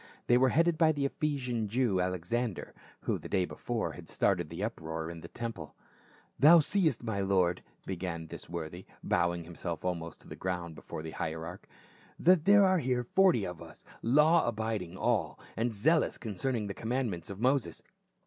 They were headed by the Ephesian Jew, Alexander, who the day before had started the uproar in the temple. "Thou seest, my lord," began this worthy, bowing himself almost to the ground before the hierarch, "that there are here forty of us, law abiding all, and zealous concerning the commandments of Moses.